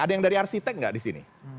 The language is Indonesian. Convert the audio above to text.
ada yang dari arsitek nggak di sini